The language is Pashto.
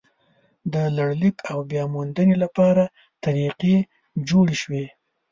د لړلیک او بیا موندنې لپاره طریقې جوړې شوې.